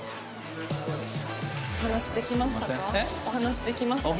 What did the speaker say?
お話しできましたか？